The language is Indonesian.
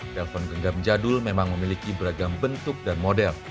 telepon genggam jadul memang memiliki beragam bentuk dan model